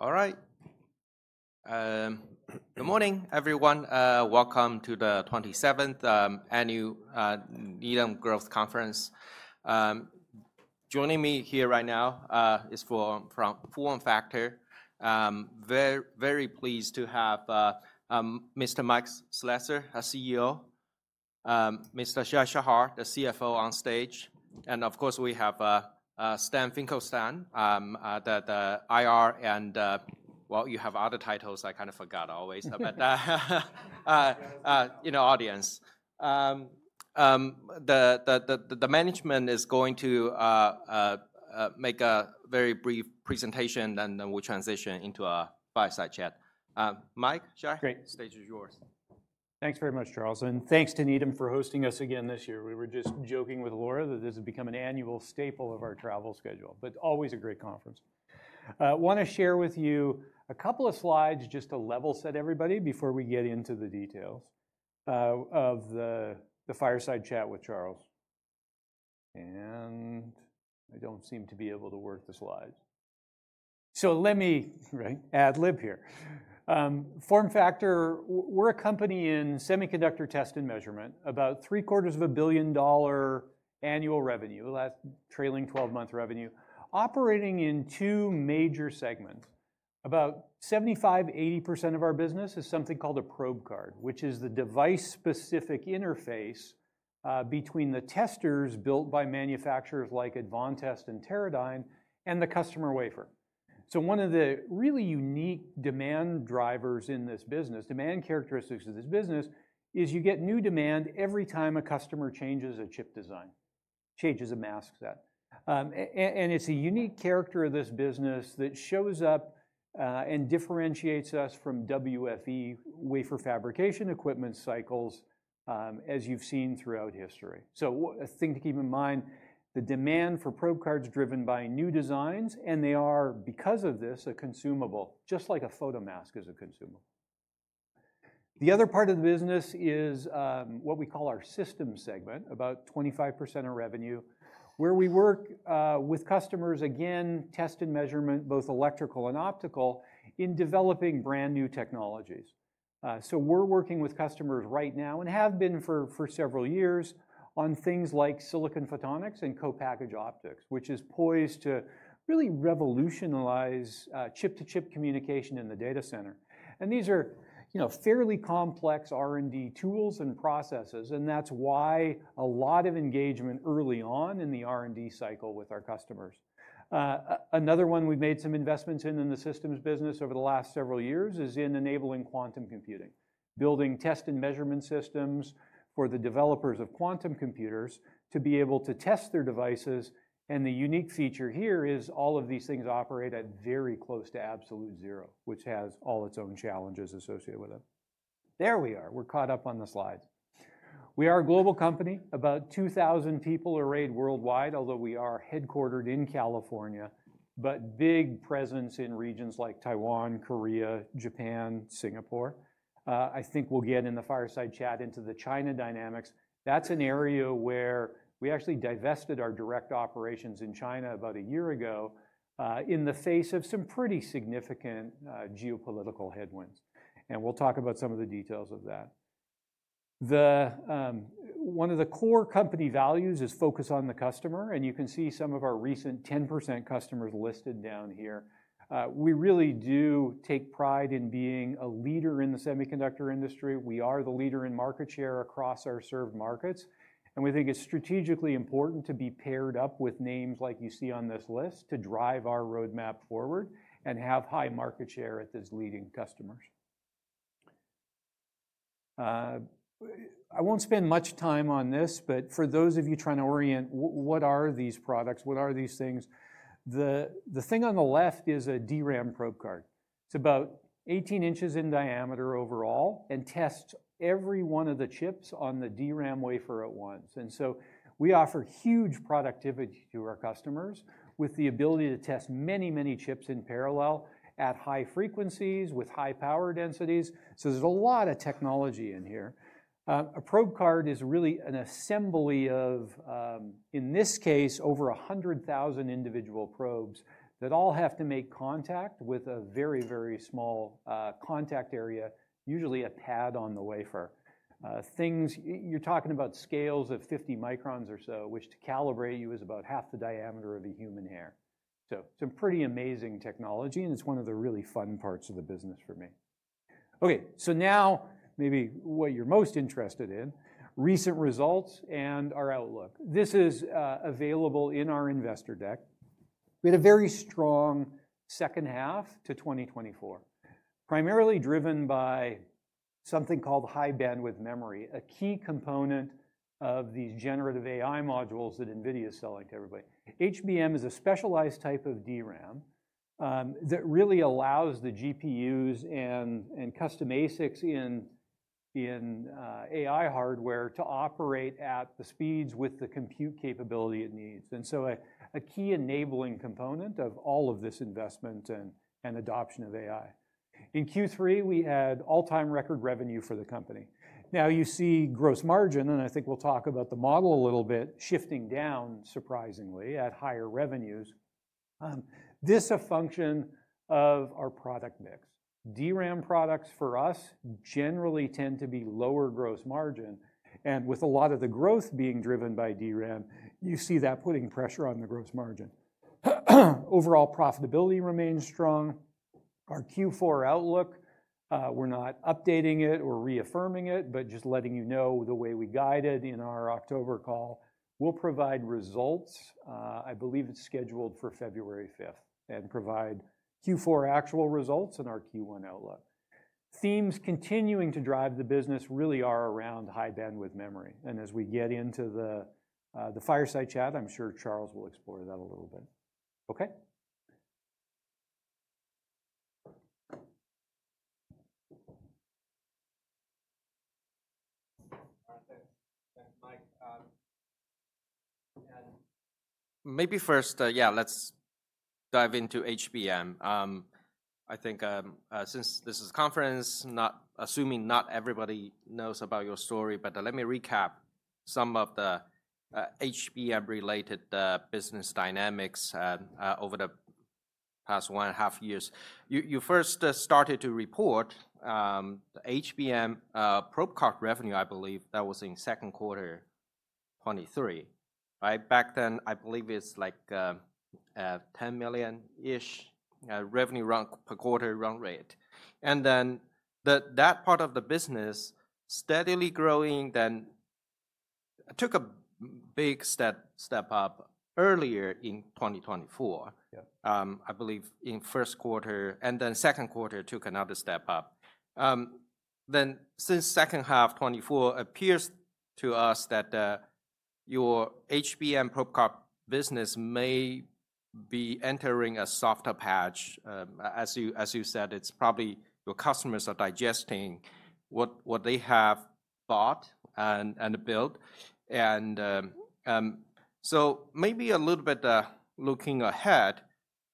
All right. Good morning, everyone. Welcome to the 27th Annual Needham Growth Conference. Joining me here right now is FormFactor. Very, very pleased to have Mr. Mike Slessor, our CEO, Mr. Shai Shahar, the CFO, on stage, and of course, we have Stan Finkelstein, the IR, and, well, you have other titles. I kind of forgot always about that in the audience. The management is going to make a very brief presentation, and then we'll transition into a fireside chat. Mike, Shai, stage is yours. Thanks very much, Charles. And thanks to Needham for hosting us again this year. We were just joking with Laura that this has become an annual staple of our travel schedule, but always a great conference. I want to share with you a couple of slides just to level-set everybody before we get into the details of the fireside chat with Charles. And I don't seem to be able to work the slides. So let me ad-lib here. FormFactor, we're a company in semiconductor test and measurement, about $750 million annual revenue, trailing 12-month revenue, operating in two major segments. About 75%-80% of our business is something called a probe card, which is the device-specific interface between the testers built by manufacturers like Advantest and Teradyne and the customer wafer. One of the really unique demand drivers in this business, demand characteristics of this business, is you get new demand every time a customer changes a chip design, changes a mask, that. And it's a unique character of this business that shows up and differentiates us from WFE, wafer fabrication equipment cycles, as you've seen throughout history. A thing to keep in mind, the demand for probe cards is driven by new designs, and they are, because of this, a consumable, just like a photo mask is a consumable. The other part of the business is what we call our system segment, about 25% of revenue, where we work with customers, again, test and measurement, both electrical and optical, in developing brand new technologies. So we're working with customers right now and have been for several years on things like silicon photonics and co-packaged optics, which is poised to really revolutionize chip-to-chip communication in the data center. And these are fairly complex R&D tools and processes, and that's why a lot of engagement early on in the R&D cycle with our customers. Another one we've made some investments in in the Systems business over the last several years is in enabling quantum computing, building test and measurement Systems for the developers of quantum computers to be able to test their devices. And the unique feature here is all of these things operate at very close to absolute zero, which has all its own challenges associated with it. There we are. We're caught up on the slides. We are a global company. About 2,000 people are arrayed worldwide, although we are headquartered in California, but big presence in regions like Taiwan, Korea, Japan, Singapore. I think we'll get into the China dynamics in the fireside chat. That's an area where we actually divested our direct operations in China about a year ago in the face of some pretty significant geopolitical headwinds, and we'll talk about some of the details of that. One of the core company values is focus on the customer, and you can see some of our recent 10% customers listed down here. We really do take pride in being a leader in the semiconductor industry. We are the leader in market share across our served markets, and we think it's strategically important to be paired up with names like you see on this list to drive our roadmap forward and have high market share at these leading customers. I won't spend much time on this, but for those of you trying to orient, what are these products? What are these things? The thing on the left is a DRAM probe card. It's about 18 in in diameter overall and tests every one of the chips on the DRAM wafer at once. And so we offer huge productivity to our customers with the ability to test many, many chips in parallel at high frequencies with high power densities. So there's a lot of technology in here. A probe card is really an assembly of, in this case, over 100,000 individual probes that all have to make contact with a very, very small contact area, usually a pad on the wafer. You're talking about scales of 50 microns or so, which, to calibrate for you, is about half the diameter of a human hair. So some pretty amazing technology, and it's one of the really fun parts of the business for me. Okay, so now maybe what you're most interested in, recent results and our outlook. This is available in our investor deck. We had a very strong second half to 2024, primarily driven by something called high bandwidth memory, a key component of these generative AI modules that NVIDIA is selling to everybody. HBM is a specialized type of DRAM that really allows the GPUs and custom ASICs in AI hardware to operate at the speeds with the compute capability it needs. And so a key enabling component of all of this investment and adoption of AI. In Q3, we had all-time record revenue for the company. Now you see gross margin, and I think we'll talk about the model a little bit, shifting down surprisingly at higher revenues. This is a function of our product mix. DRAM products for us generally tend to be lower gross margin. And with a lot of the growth being driven by DRAM, you see that putting pressure on the gross margin. Overall profitability remains strong. Our Q4 outlook, we're not updating it or reaffirming it, but just letting you know the way we guided in our October call. We'll provide results. I believe it's scheduled for February 5th and provide Q4 actual results in our Q1 outlook. Themes continuing to drive the business really are around high bandwidth memory. And as we get into the fireside chat, I'm sure Charles will explore that a little bit. Okay. Thanks, Mike. Maybe first, yeah, let's dive into HBM. I think since this is a conference, assuming not everybody knows about your story, but let me recap some of the HBM-related business dynamics over the past one and a half years. You first started to report HBM probe card revenue, I believe that was in second quarter 2023. Back then, I believe it's like $10 million-ish revenue per quarter run rate. And then that part of the business steadily growing, then took a big step up earlier in 2024, I believe in first quarter, and then second quarter took another step up. Then since second half 2024, it appears to us that your HBM probe card business may be entering a softer patch. As you said, it's probably your customers are digesting what they have bought and built. Maybe a little bit looking ahead,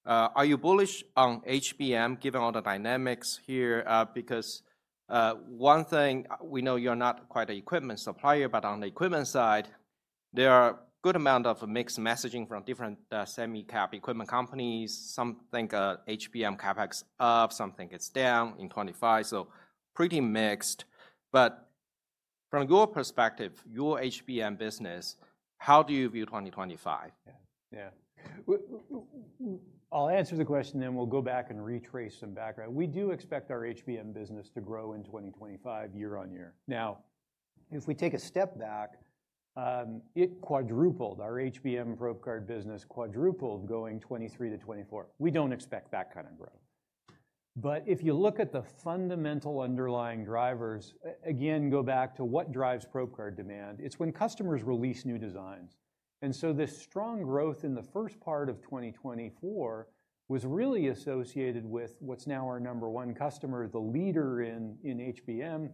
are you bullish on HBM given all the dynamics here? Because one thing we know you're not quite an equipment supplier, but on the equipment side, there are a good amount of mixed messaging from different semi-cap equipment companies. Some think HBM CapEx up, some think it's down in 2025. Pretty mixed. From your perspective, your HBM business, how do you view 2025? Yeah. I'll answer the question, then we'll go back and retrace some background. We do expect our HBM business to grow in 2025 year on year. Now, if we take a step back, it quadrupled. Our HBM probe card business quadrupled going 2023 to 2024. We don't expect that kind of growth but if you look at the fundamental underlying drivers, again, go back to what drives probe card demand, it's when customers release new designs, and so this strong growth in the first part of 2024 was really associated with what's now our number one customer, the leader in HBM,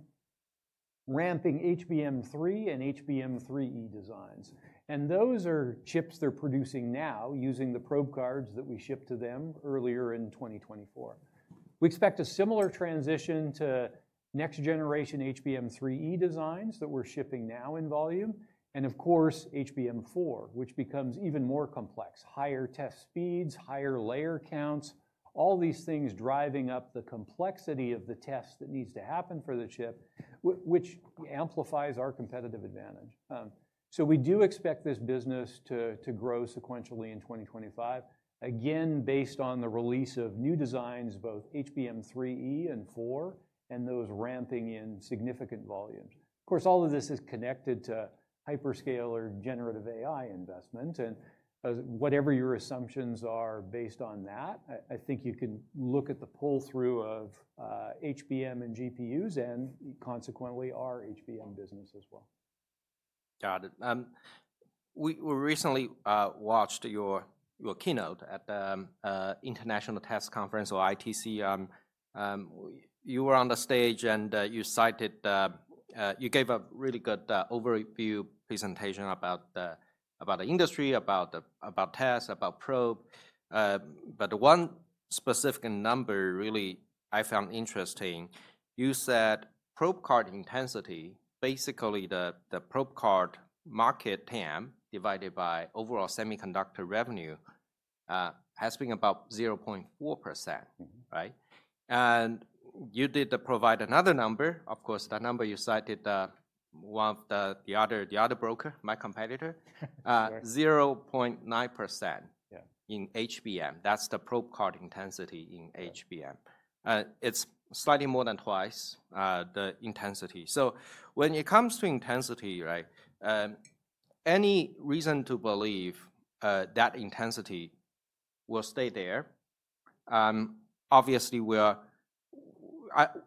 ramping HBM3 and HBM3E designs, and those are chips they're producing now using the probe cards that we shipped to them earlier in 2024. We expect a similar transition to next generation HBM3E designs that we're shipping now in volume. And of course, HBM4, which becomes even more complex, higher test speeds, higher layer counts, all these things driving up the complexity of the test that needs to happen for the chip, which amplifies our competitive advantage. So we do expect this business to grow sequentially in 2025, again, based on the release of new designs, both HBM3E and 4, and those ramping in significant volumes. Of course, all of this is connected to hyperscaler generative AI investment. And whatever your assumptions are based on that, I think you can look at the pull-through of HBM and GPUs and consequently our HBM business as well. Got it. We recently watched your keynote at the International Test Conference or ITC. You were on the stage and you cited, you gave a really good overview presentation about the industry, about tests, about probe. But one specific number really I found interesting. You said probe card intensity, basically the probe card market TAM divided by overall semiconductor revenue has been about 0.4%, right? And you did provide another number. Of course, that number you cited, the other broker, my competitor, 0.9% in HBM. That's the probe card intensity in HBM. It's slightly more than twice the intensity. So when it comes to intensity, any reason to believe that intensity will stay there? Obviously,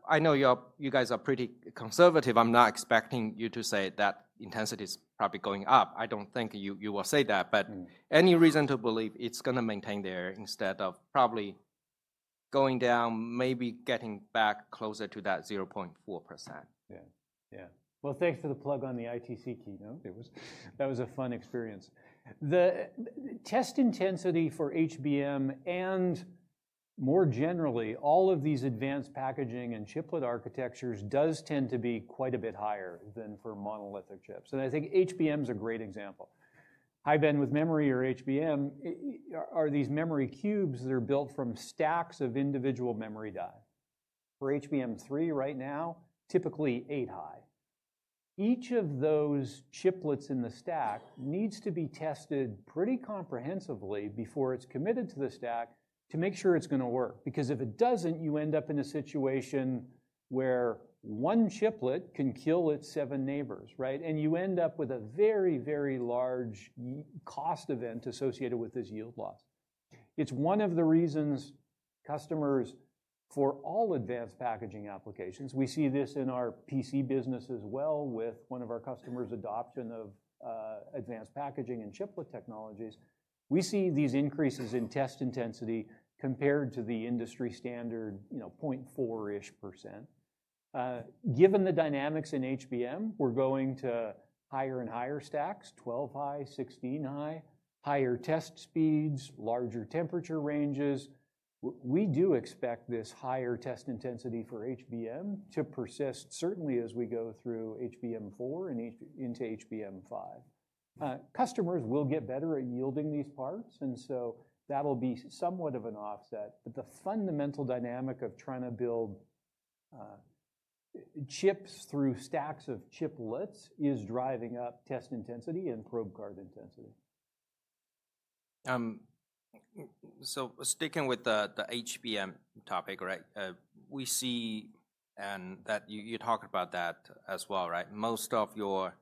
I know you guys are pretty conservative. I'm not expecting you to say that intensity is probably going up. I don't think you will say that. But any reason to believe it's going to maintain there instead of probably going down, maybe getting back closer to that 0.4%? Yeah. Yeah, well, thanks for the plug on the ITC keynote. That was a fun experience. The test intensity for HBM and more generally, all of these advanced packaging and chiplet architectures does tend to be quite a bit higher than for monolithic chips, and I think HBM is a great example. High bandwidth memory or HBM are these memory cubes that are built from stacks of individual memory die. For HBM3 right now, typically eight high. Each of those chiplets in the stack needs to be tested pretty comprehensively before it's committed to the stack to make sure it's going to work. Because if it doesn't, you end up in a situation where one chiplet can kill its seven neighbors, right, and you end up with a very, very large cost event associated with this yield loss. It's one of the reasons customers for all advanced packaging applications, we see this in our PC business as well with one of our customers' adoption of advanced packaging and chiplet technologies. We see these increases in test intensity compared to the industry standard 0.4-ish%. Given the dynamics in HBM, we're going to higher and higher stacks, 12 high, 16 high, higher test speeds, larger temperature ranges. We do expect this higher test intensity for HBM to persist certainly as we go through HBM4 and into HBM5. Customers will get better at yielding these parts. And so that'll be somewhat of an offset. But the fundamental dynamic of trying to build chips through stacks of chiplets is driving up test intensity and probe card intensity. So sticking with the HBM topic, right? We see that you talked about that as well, right? Most of your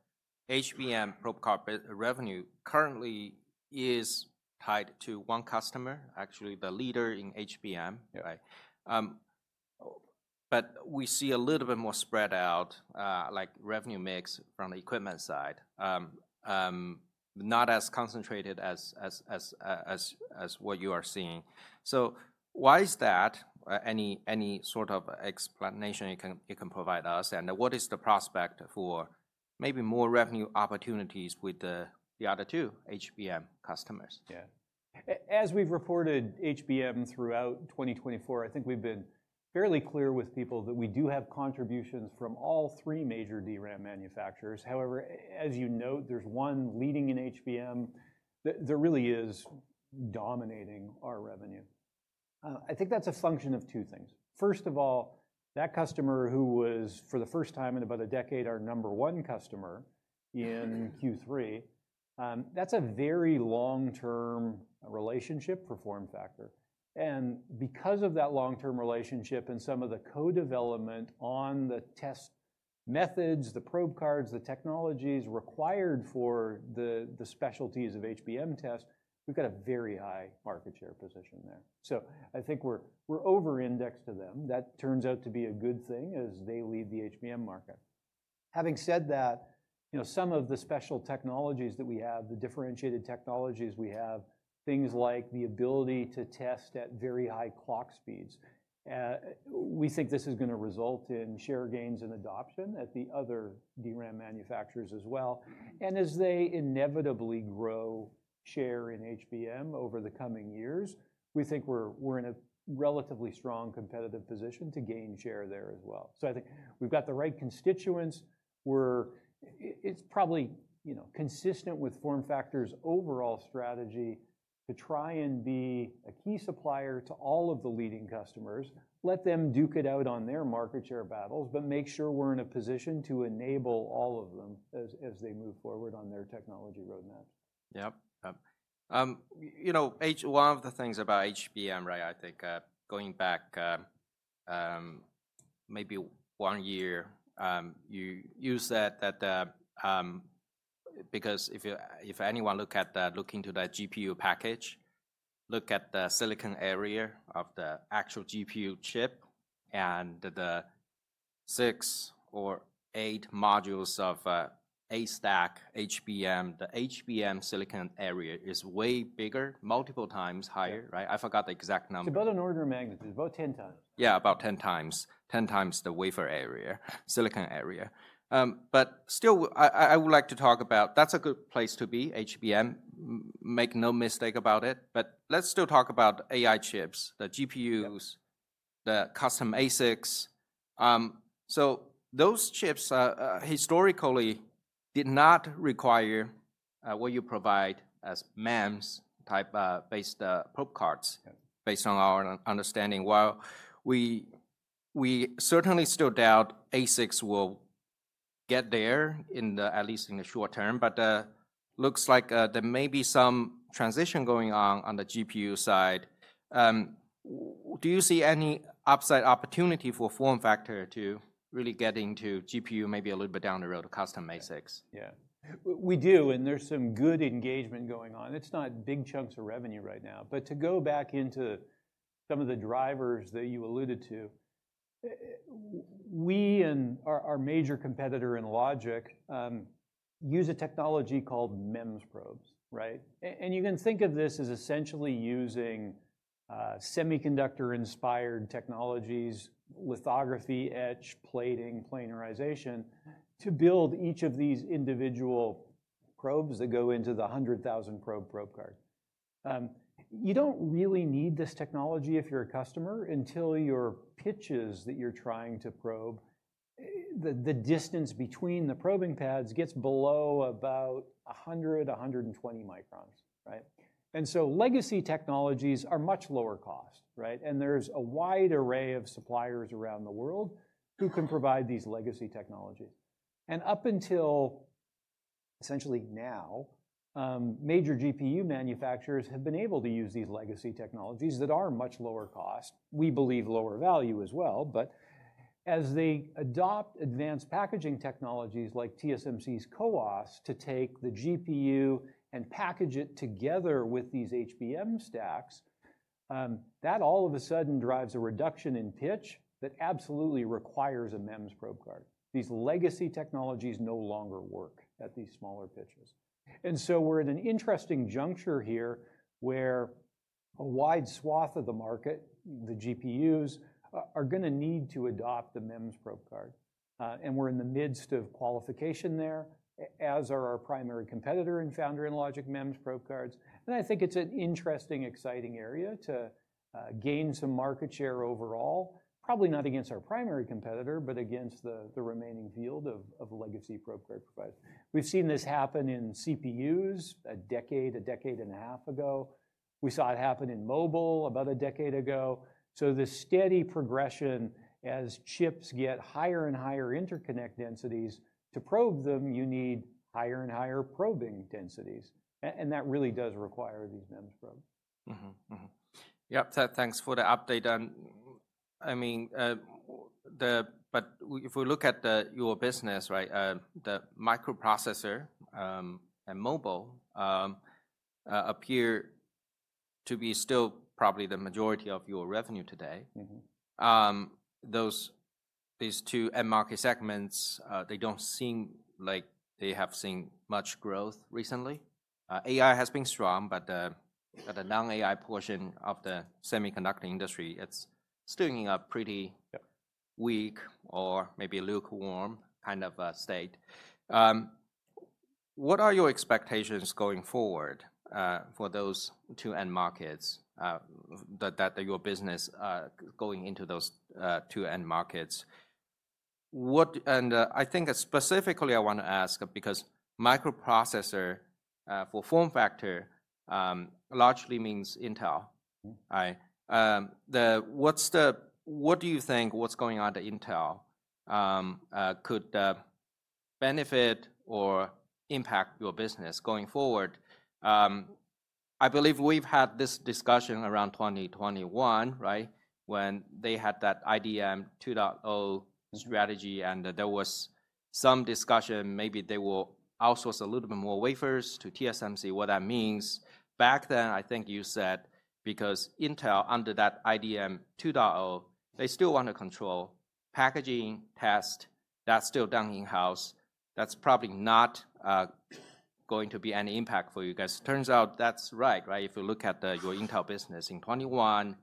HBM probe card revenue currently is tied to one customer, actually the leader in HBM. But we see a little bit more spread out, like revenue mix from the equipment side, not as concentrated as what you are seeing. So why is that? Any sort of explanation you can provide us? And what is the prospect for maybe more revenue opportunities with the other two HBM customers? Yeah. As we've reported HBM throughout 2024, I think we've been fairly clear with people that we do have contributions from all three major DRAM manufacturers. However, as you note, there's one leading in HBM that really is dominating our revenue. I think that's a function of two things. First of all, that customer who was for the first time in about a decade our number one customer in Q3, that's a very long-term relationship for FormFactor. And because of that long-term relationship and some of the co-development on the test methods, the probe cards, the technologies required for the specialties of HBM test, we've got a very high market share position there. So I think we're over-indexed to them. That turns out to be a good thing as they lead the HBM market. Having said that, some of the special technologies that we have, the differentiated technologies we have, things like the ability to test at very high clock speeds, we think this is going to result in share gains and adoption at the other DRAM manufacturers as well. And as they inevitably grow share in HBM over the coming years, we think we're in a relatively strong competitive position to gain share there as well. So I think we've got the right constituents. It's probably consistent with FormFactor's overall strategy to try and be a key supplier to all of the leading customers, let them duke it out on their market share battles, but make sure we're in a position to enable all of them as they move forward on their technology roadmaps. Yep. One of the things about HBM, right? I think going back maybe one year, you said that because if anyone look at that, look into that GPU package, look at the silicon area of the actual GPU chip and the six or eight modules of stacked HBM, the HBM silicon area is way bigger, multiple times higher, right? I forgot the exact number. It's about an order of magnitude, about 10 times. Yeah, about 10 times. 10 times the wafer area, silicon area. But still, I would like to talk about. That's a good place to be, HBM. Make no mistake about it. But let's still talk about AI chips, the GPUs, the custom ASICs. So those chips historically did not require what you provide as MEMS-type based probe cards based on our understanding. While we certainly still doubt ASICs will get there at least in the short term, but it looks like there may be some transition going on the GPU side. Do you see any upside opportunity for FormFactor to really get into GPU maybe a little bit down the road to custom ASICs? Yeah. We do, and there's some good engagement going on. It's not big chunks of revenue right now. But to go back into some of the drivers that you alluded to, we and our major competitor in logic use a technology called MEMS probes, right? And you can think of this as essentially using semiconductor-inspired technologies, lithography etch, plating, planarization to build each of these individual probes that go into the 100,000-probe probe card. You don't really need this technology if you're a customer until your pitches that you're trying to probe, the distance between the probing pads gets below about 100 microns-120 microns, right? And so legacy technologies are much lower cost, right? And there's a wide array of suppliers around the world who can provide these legacy technologies. Up until essentially now, major GPU manufacturers have been able to use these legacy technologies that are much lower cost. We believe lower value as well. As they adopt advanced packaging technologies like TSMC's CoWoS to take the GPU and package it together with these HBM stacks, that all of a sudden drives a reduction in pitch that absolutely requires a MEMS probe card. These legacy technologies no longer work at these smaller pitches. We're at an interesting juncture here where a wide swath of the market, the GPUs, are going to need to adopt the MEMS probe card. We're in the midst of qualification there, as are our primary competitor and leader in logic MEMS probe cards. And I think it's an interesting, exciting area to gain some market share overall, probably not against our primary competitor, but against the remaining field of legacy probe card providers. We've seen this happen in CPUs a decade, a decade and a half ago. We saw it happen in mobile about a decade ago. So the steady progression as chips get higher and higher interconnect densities, to probe them, you need higher and higher probing densities. And that really does require these MEMS probes. Yep. Thanks for the update. I mean, but if we look at your business, right, the microprocessor and mobile appear to be still probably the majority of your revenue today. Those two end market segments, they don't seem like they have seen much growth recently. AI has been strong, but the non-AI portion of the semiconductor industry, it's still in a pretty weak or maybe lukewarm kind of state. What are your expectations going forward for those two end markets that your business going into those two end markets? And I think specifically I want to ask because microprocessor for FormFactor largely means Intel, right? What do you think what's going on at Intel could benefit or impact your business going forward? I believe we've had this discussion around 2021, right, when they had that IDM 2.0 strategy. And there was some discussion maybe they will outsource a little bit more wafers to TSMC, what that means. Back then, I think you said because Intel under that IDM 2.0, they still want to control packaging test. That's still done in-house. That's probably not going to be any impact for you guys. Turns out that's right, right? If you look at your Intel business in 2021,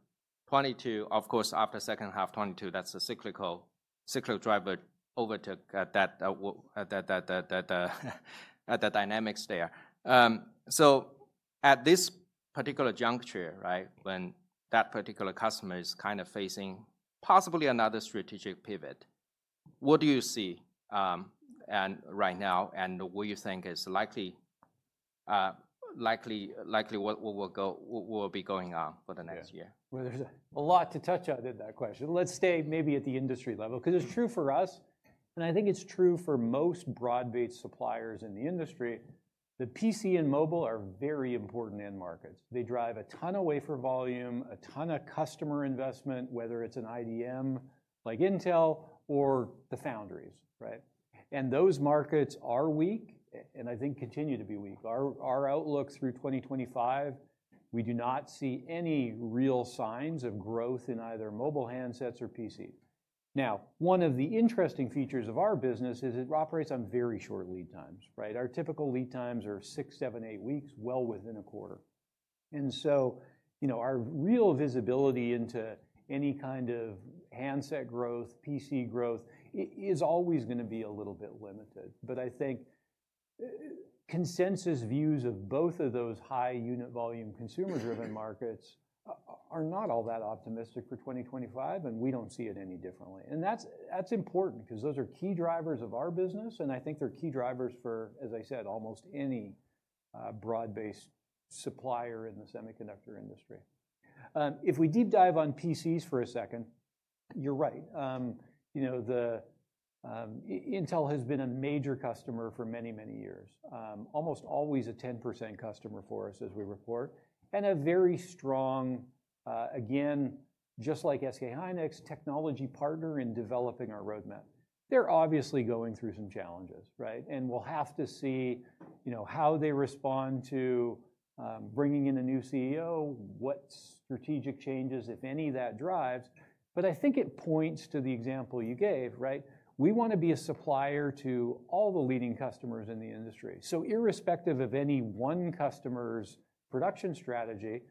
2022, of course, after second half 2022, that's a cyclical driver overtook that dynamics there. So at this particular juncture, right, when that particular customer is kind of facing possibly another strategic pivot, what do you see right now? And what do you think is likely what will be going on for the next year? There's a lot to touch on in that question. Let's stay maybe at the industry level because it's true for us, and I think it's true for most broad-based suppliers in the industry, that PC and mobile are very important end markets. They drive a ton of wafer volume, a ton of customer investment, whether it's an IDM like Intel or the foundries, right? And those markets are weak and I think continue to be weak. Our outlook through 2025, we do not see any real signs of growth in either mobile handsets or PCs. Now, one of the interesting features of our business is it operates on very short lead times, right? Our typical lead times are six, seven, eight weeks, well within a quarter. And so our real visibility into any kind of handset growth, PC growth is always going to be a little bit limited. But I think consensus views of both of those high unit volume consumer-driven markets are not all that optimistic for 2025, and we don't see it any differently. And that's important because those are key drivers of our business. And I think they're key drivers for, as I said, almost any broad-based supplier in the semiconductor industry. If we deep dive on PCs for a second, you're right. Intel has been a major customer for many, many years, almost always a 10% customer for us as we report, and a very strong, again, just like SK hynix, technology partner in developing our roadmap. They're obviously going through some challenges, right? And we'll have to see how they respond to bringing in a new CEO, what strategic changes, if any, that drives. But I think it points to the example you gave, right? We want to be a supplier to all the leading customers in the industry. So irrespective of any one customer's production strategy,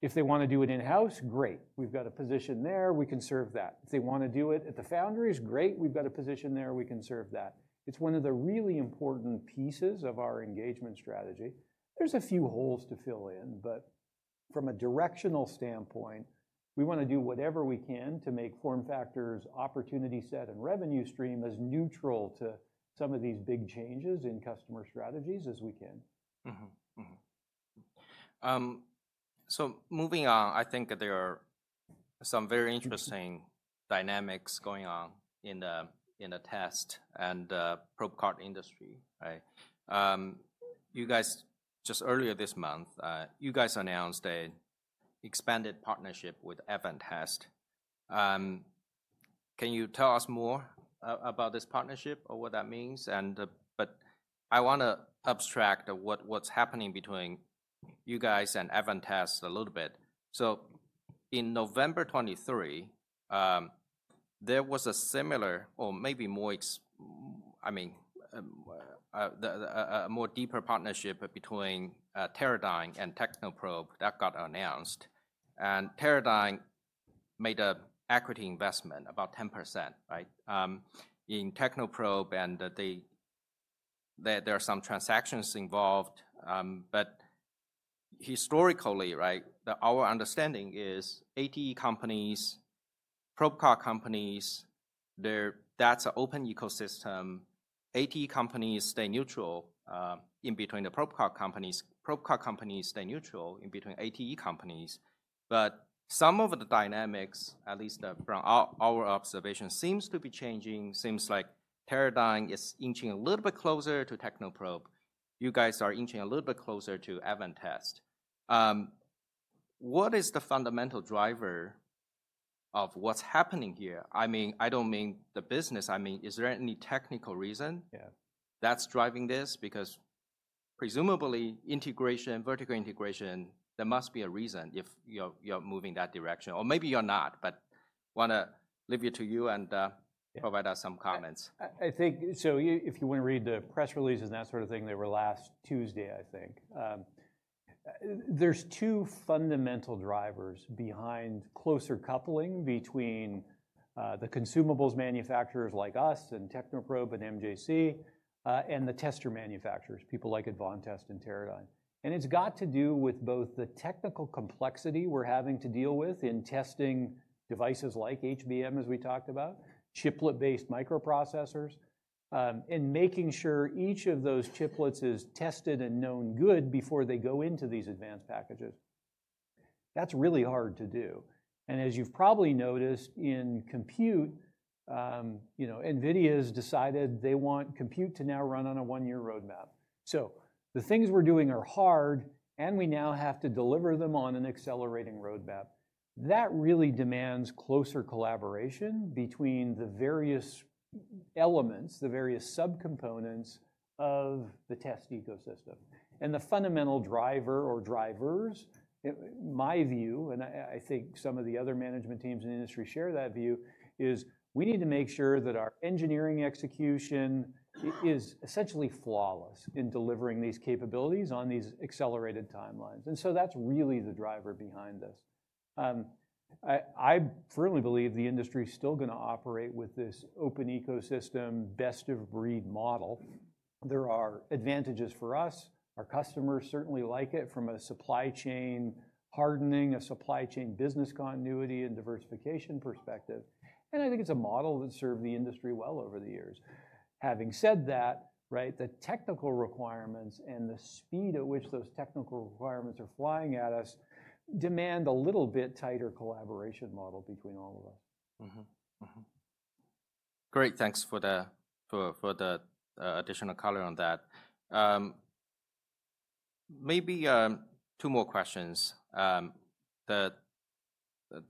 if they want to do it in-house, great. We've got a position there. We can serve that. If they want to do it at the foundries, great. We've got a position there. We can serve that. It's one of the really important pieces of our engagement strategy. There's a few holes to fill in, but from a directional standpoint, we want to do whatever we can to make FormFactor's opportunity set and revenue stream as neutral to some of these big changes in customer strategies as we can. So moving on, I think there are some very interesting dynamics going on in the test and probe card industry, right? Just earlier this month, you guys announced an expanded partnership with Advantest. Can you tell us more about this partnership or what that means? But I want to abstract what's happening between you guys and Advantest a little bit. So in November 2023, there was a similar or maybe more I mean, a more deeper partnership between Teradyne and Technoprobe that got announced. And Teradyne made an equity investment about 10%, right, in Technoprobe. And there are some transactions involved. But historically, right, our understanding is ATE companies, probe card companies, that's an open ecosystem. ATE companies stay neutral in between the probe card companies. Probe card companies stay neutral in between ATE companies. But some of the dynamics, at least from our observation, seems to be changing. Seems like Teradyne is inching a little bit closer to Technoprobe. You guys are inching a little bit closer to Advantest. What is the fundamental driver of what's happening here? I mean, I don't mean the business. I mean, is there any technical reason that's driving this? Because presumably integration, vertical integration, there must be a reason if you're moving that direction. Or maybe you're not, but want to leave it to you and provide us some comments. I think so. If you want to read the press release and that sort of thing, they were last Tuesday, I think. There are two fundamental drivers behind closer coupling between the consumables manufacturers like us and Technoprobe and MJC and the tester manufacturers, people like Advantest and Teradyne, and it's got to do with both the technical complexity we're having to deal with in testing devices like HBM, as we talked about, chiplet-based microprocessors, and making sure each of those chiplets is tested and known good before they go into these advanced packages. That's really hard to do, and as you've probably noticed in compute, NVIDIA has decided they want compute to now run on a one-year roadmap, so the things we're doing are hard, and we now have to deliver them on an accelerating roadmap. That really demands closer collaboration between the various elements, the various subcomponents of the test ecosystem, and the fundamental driver or drivers, my view, and I think some of the other management teams in the industry share that view, is we need to make sure that our engineering execution is essentially flawless in delivering these capabilities on these accelerated timelines, and so that's really the driver behind this. I firmly believe the industry is still going to operate with this open ecosystem best of breed model. There are advantages for us. Our customers certainly like it from a supply chain hardening, a supply chain business continuity and diversification perspective, and I think it's a model that served the industry well over the years. Having said that, right, the technical requirements and the speed at which those technical requirements are flying at us demand a little bit tighter collaboration model between all of us. Great. Thanks for the additional color on that. Maybe two more questions. The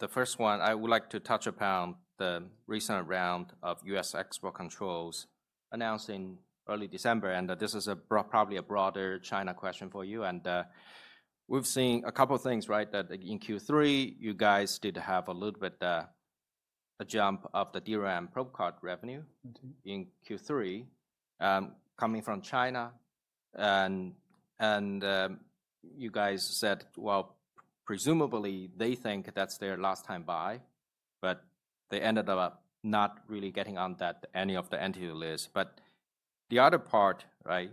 first one, I would like to touch upon the recent round of U.S. export controls announced in early December. And this is probably a broader China question for you. And we've seen a couple of things, right, that in Q3, you guys did have a little bit of a jump of the DRAM probe card revenue in Q3 coming from China. And you guys said, well, presumably they think that's their last time buy, but they ended up not really getting on any of the Entity List. But the other part, right,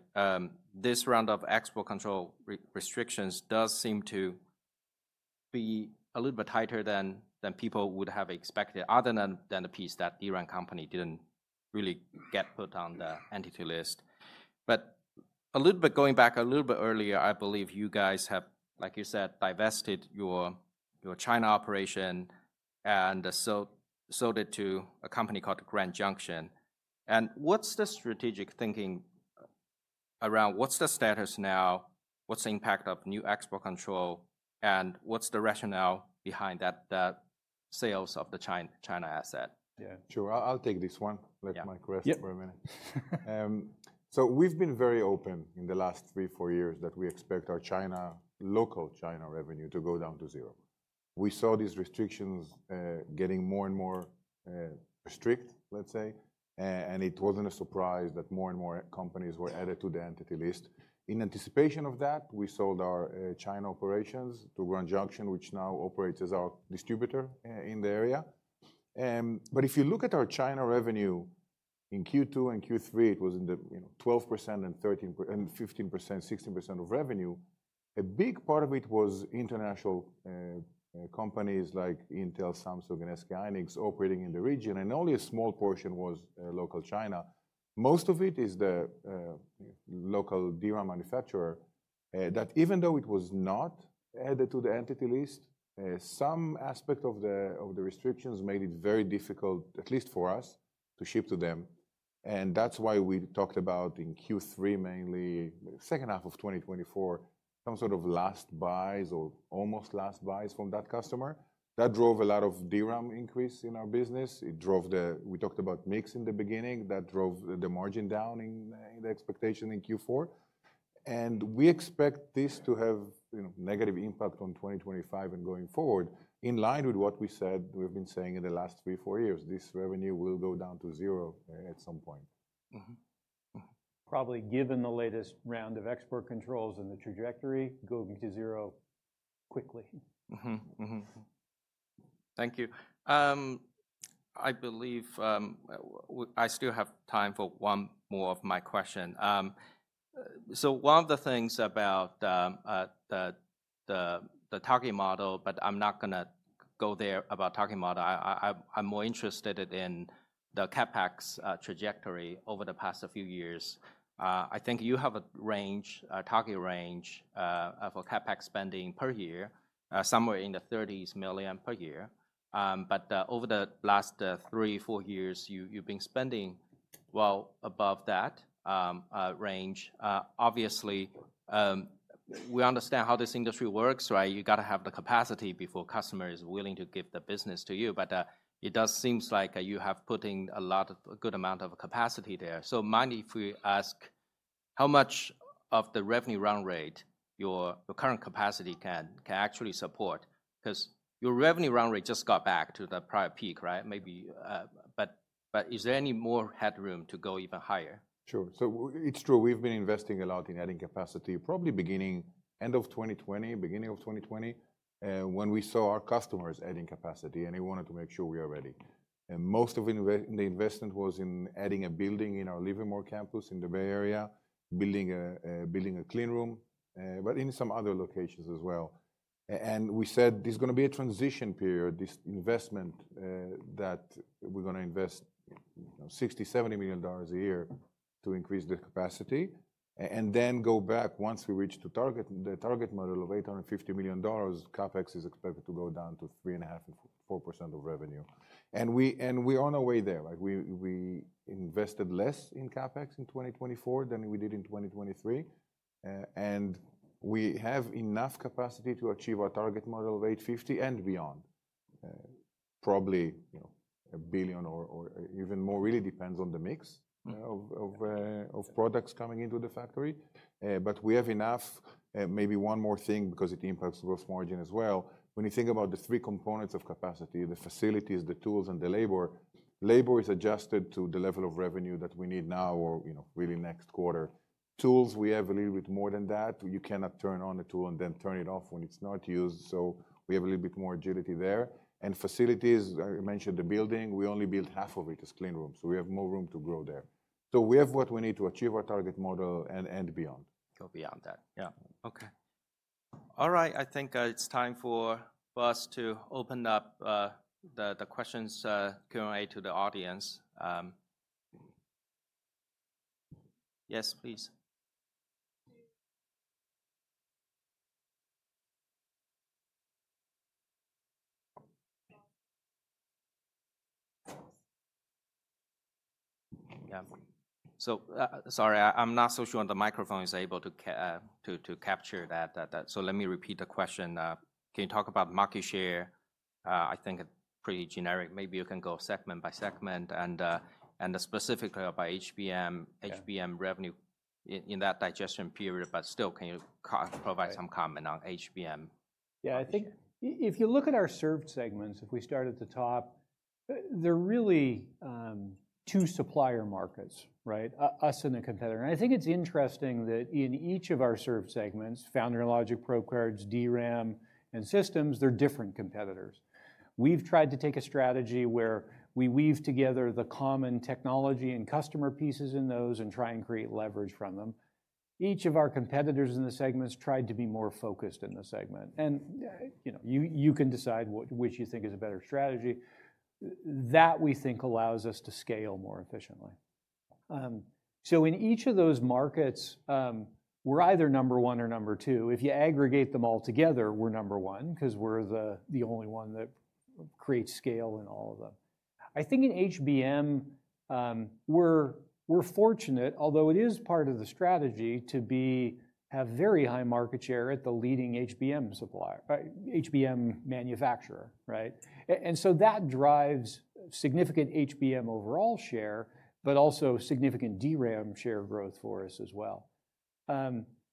this round of export control restrictions does seem to be a little bit tighter than people would have expected other than the piece that the DRAM company didn't really get put on the Entity List. But a little bit going back a little bit earlier, I believe you guys have, like you said, divested your China operation and sold it to a company called Grand Junction. And what's the strategic thinking around what's the status now, what's the impact of new export control, and what's the rationale behind that sales of the China asset? Yeah, sure. I'll take this one. Let Mike rest for a minute. So we've been very open in the last three, four years that we expect our China, local China revenue to go down to zero. We saw these restrictions getting more and more strict, let's say. And it wasn't a surprise that more and more companies were added to the Entity List. In anticipation of that, we sold our China operations to Grand Junction, which now operates as our distributor in the area. But if you look at our China revenue in Q2 and Q3, it was in the 12% and 15%-16% of revenue. A big part of it was international companies like Intel, Samsung, and SK hynix operating in the region. And only a small portion was local China. Most of it is the local DRAM manufacturer that even though it was not added to the Entity List, some aspect of the restrictions made it very difficult, at least for us, to ship to them, and that's why we talked about in Q3 mainly, second half of 2024, some sort of last buys or almost last buys from that customer. That drove a lot of DRAM increase in our business. We talked about mix in the beginning. That drove the margin down in the expectation in Q4, and we expect this to have negative impact on 2025 and going forward in line with what we said we've been saying in the last three, four years. This revenue will go down to zero at some point. Probably given the latest round of export controls and the trajectory, going to zero quickly. Thank you. I believe I still have time for one more of my question. So one of the things about the target model, but I'm not going to go there about target model. I'm more interested in the CapEx trajectory over the past few years. I think you have a range, a target range for CapEx spending per year, somewhere in the $30 million per year. But over the last three, four years, you've been spending well above that range. Obviously, we understand how this industry works, right? You got to have the capacity before customer is willing to give the business to you. But it does seem like you have put in a lot of a good amount of capacity there. So, mind if we ask how much of the revenue run rate your current capacity can actually support, because your revenue run rate just got back to the prior peak, right? Maybe. But is there any more headroom to go even higher? Sure. So it's true. We've been investing a lot in adding capacity, probably beginning of 2020, when we saw our customers adding capacity and they wanted to make sure we are ready. Most of the investment was in adding a building in our Livermore campus in the Bay Area, building a clean room, but in some other locations as well. We said there's going to be a transition period, this investment that we're going to invest $60 million-$70 million a year to increase the capacity and then go back once we reach the target model of $850 million. CapEx is expected to go down to 3.5%-4% of revenue. We are on our way there. We invested less in CapEx in 2024 than we did in 2023. And we have enough capacity to achieve our target model of $850 and beyond, probably $1 billion or even more. It really depends on the mix of products coming into the factory. But we have enough, maybe one more thing because it impacts gross margin as well. When you think about the three components of capacity, the facilities, the tools, and the labor, labor is adjusted to the level of revenue that we need now or really next quarter. Tools, we have a little bit more than that. You cannot turn on a tool and then turn it off when it's not used. So we have a little bit more agility there. And facilities, I mentioned the building, we only built half of it as clean rooms. So we have more room to grow there. So we have what we need to achieve our target model and beyond. Go beyond that. Yeah. Okay. All right. I think it's time for us to open up the questions Q&A to the audience. Yes, please. Yeah. So sorry, I'm not so sure on the microphone is able to capture that. So let me repeat the question. Can you talk about market share? I think it's pretty generic. Maybe you can go segment by segment and specifically about HBM revenue in that digestion period. But still, can you provide some comment on HBM? Yeah. I think if you look at our served segments, if we start at the top, there are really two supplier markets, right? Us and the competitor. And I think it's interesting that in each of our served segments, Foundry and Logic, Probe Cards, DRAM, and Systems, they're different competitors. We've tried to take a strategy where we weave together the common technology and customer pieces in those and try and create leverage from them. Each of our competitors in the segments tried to be more focused in the segment. And you can decide which you think is a better strategy. That we think allows us to scale more efficiently. So in each of those markets, we're either number one or number two. If you aggregate them all together, we're number one because we're the only one that creates scale in all of them. I think in HBM, we're fortunate, although it is part of the strategy to have very high market share at the leading HBM manufacturer, right, and so that drives significant HBM overall share, but also significant DRAM share growth for us as well.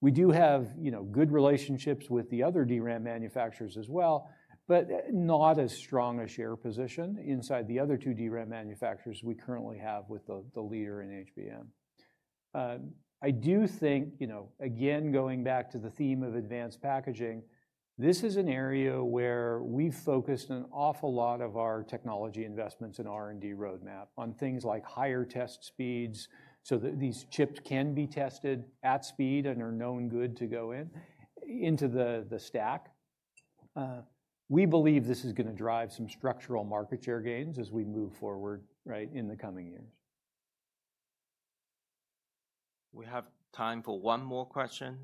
We do have good relationships with the other DRAM manufacturers as well, but not as strong a share position inside the other two DRAM manufacturers we currently have with the leader in HBM. I do think, again, going back to the theme of advanced packaging, this is an area where we've focused an awful lot of our technology investments and R&D roadmap on things like higher test speeds so that these chips can be tested at speed and are known good to go into the stack. We believe this is going to drive some structural market share gains as we move forward, right, in the coming years. We have time for one more question.